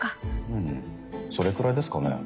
うんそれくらいですかね。